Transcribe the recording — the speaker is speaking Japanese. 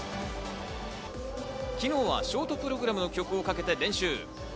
昨日はショートプログラムの曲をかけて練習。